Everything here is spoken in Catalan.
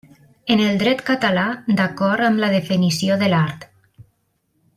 En el dret català, d'acord amb la definició de l'art.